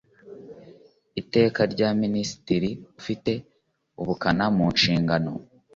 iteka rya minisitiri ufite ubutaka mu nshingano